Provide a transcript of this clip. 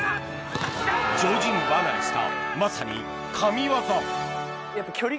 常人離れしたまさに神ワザ